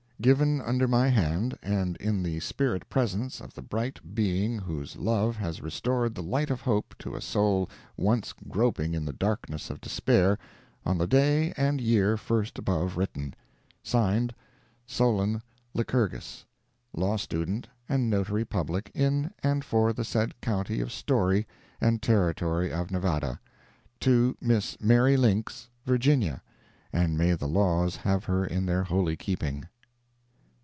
Given under my hand, and in the spirit presence of the bright being whose love has restored the light of hope to a soul once groping in the darkness of despair, on the day and year first above written. (Signed) SOLON LYCURGUS. Law Student, and Notary Public in and for the said County of Storey, and Territory of Nevada. To Miss Mary Links, Virginia (and may the laws have her in their holy keeping).